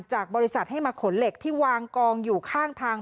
จากบริษัทให้มาขนเหล็กที่วางกองอยู่ข้างทาง